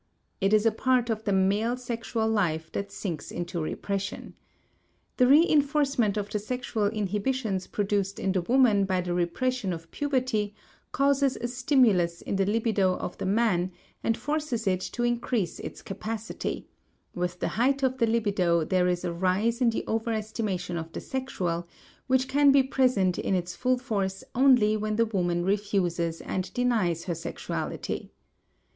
It is a part of the male sexual life that sinks into repression. The reënforcement of the sexual inhibitions produced in the woman by the repression of puberty causes a stimulus in the libido of the man and forces it to increase its capacity; with the height of the libido there is a rise in the overestimation of the sexual, which can be present in its full force only when the woman refuses and denies her sexuality.